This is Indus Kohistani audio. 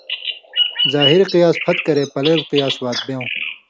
ظاہر قیاس پھت کرے پلیل قیاس وات بیوں